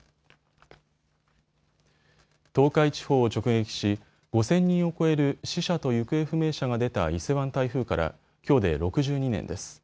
東海地方を直撃し５０００人を超える死者と行方不明者が出た伊勢湾台風からきょうで６２年です。